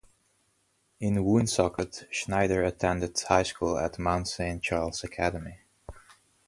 In Woonsocket, Schneider attended high school at Mount Saint Charles Academy.